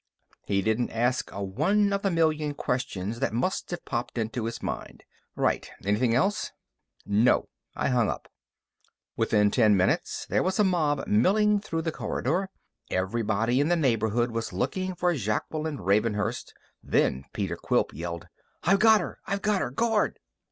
He didn't ask a one of the million questions that must have popped into his mind. "Right. Anything else?" "No." I hung up. Within ten minutes, there was a mob milling through the corridor. Everybody in the neighborhood was looking for Jaqueline Ravenhurst. Then Peter Quilp yelled. "I've got her! I've got her! Guard!"